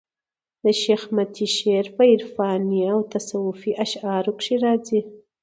د شېخ متي شعر په عرفاني او تصوفي اشعارو کښي راځي.